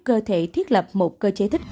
cơ thể thiết lập một cơ chế thích